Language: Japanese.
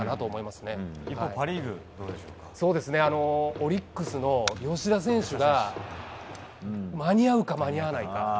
オリックスの吉田選手が間に合うか、間に合わないか。